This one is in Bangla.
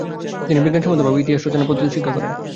তিনি বিজ্ঞানসম্মত ভাবে ইতিহাস রচনার পদ্ধতি শিক্ষা করেন।